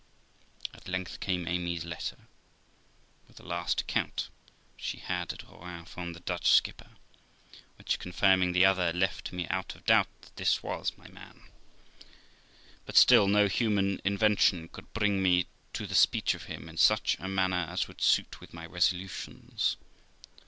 At length came Amy's letter, with the last account which she had at Rouen from the Dutch skipper, which, confirming the other, left me out of doubt that this was my man ; but still no human invention could bring me to the speech of him in such a manner as would suit with my resolutions.